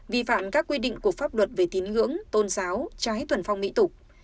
vi phạm các quy định của pháp luật về tín ngưỡng tôn giáo trái thuần phong mỹ tục